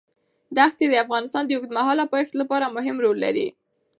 دښتې د افغانستان د اوږدمهاله پایښت لپاره مهم رول لري.